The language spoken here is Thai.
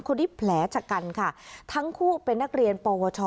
คนที่แผลจากกันค่ะทั้งคู่เป็นนักเรียนโปวช